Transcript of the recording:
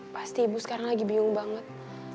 pasti ibu sekarang lagi bingung banget